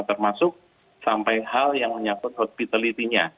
termasuk sampai hal yang menyangkut hospitality nya